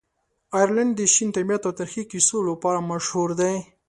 آیرلنډ د شین طبیعت او تاریخي کیسو لپاره مشهوره دی.